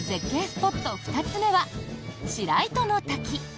スポット２つ目は白糸ノ滝。